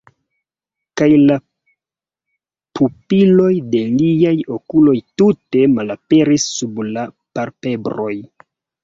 Kaj la pupiloj de liaj okuloj tute malaperis sub la palpebroj.